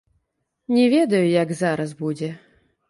Не ведаю, як зараз будзе.